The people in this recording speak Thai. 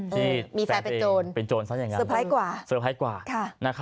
ที่แฟนเป็นโจรซะอย่างงั้นต้องเซอร์ไพรส์กว่านะครับ